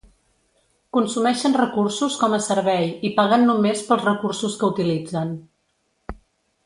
Consumeixen recursos com a servei i paguen només pels recursos que utilitzen.